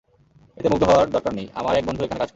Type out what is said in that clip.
এত মুগ্ধ হওয়ার দরকার নেই, আমার এক বন্ধু এখানে কাজ করে।